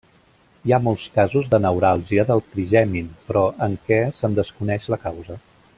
Hi ha molts casos de neuràlgia del trigemin, però, en què se’n desconeix la causa.